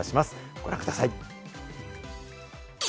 ご覧ください。